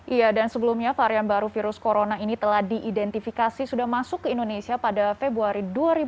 iya dan sebelumnya varian baru virus corona ini telah diidentifikasi sudah masuk ke indonesia pada februari dua ribu dua puluh